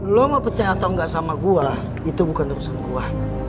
lo mau percaya atau enggak sama gua itu bukan urusan gua